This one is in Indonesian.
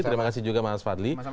terima kasih juga mas fadli